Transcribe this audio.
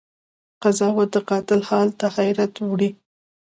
قضاوت د قاتل حال ته حيرت وړی